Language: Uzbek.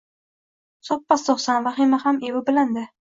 “Soppa-sogʼsan, vahima ham evi bilan-da!”